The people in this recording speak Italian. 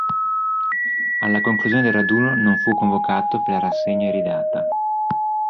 Alla conclusione del raduno non fu convocato per la rassegna iridata.